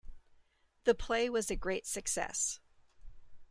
The play was a great success.